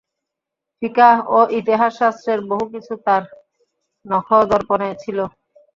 ফিকাহ ও ইতিহাস শাস্ত্রের বহু কিছু তার নখদর্পণে ছিল।